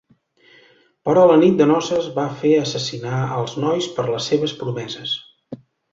Però la nit de noces va fer assassinar els nois per les seves promeses.